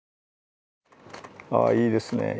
あいいですね。